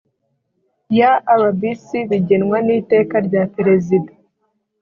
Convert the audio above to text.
ya rbc bigenwa n iteka rya perezida